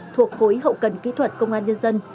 thuộc khối hậu cần kỹ thuật công an nhân dân